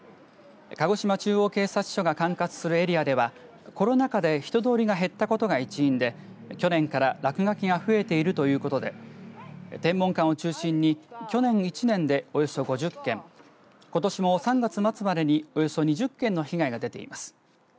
鹿児島中央警察署が管轄するエリアではコロナ禍で人通りが減ったことが一因で去年から落書きが増えているということで天文館を中心に去年１年で、およそ５０件ことしも３月末までにおよそ２０件の被害が出ています。